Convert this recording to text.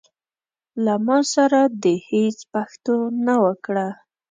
له ما سره دي هيڅ پښتو نه وکړه.